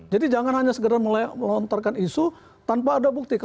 jadi jangan hanya segera melontarkan isu tanpa ada bukti